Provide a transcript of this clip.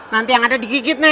nanti yang ada di gigit nih